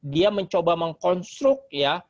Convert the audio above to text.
dia mencoba mengkonstruk ya